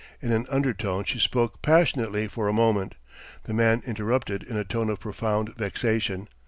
In an undertone she spoke passionately for a moment. The man interrupted in a tone of profound vexation.